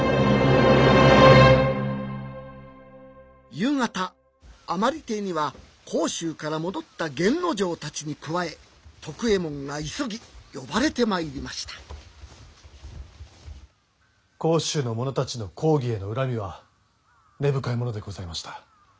夕方甘利邸には甲州から戻った源之丞たちに加え徳右衛門が急ぎ呼ばれて参りました甲州の者たちの公儀への恨みは根深いものでございました。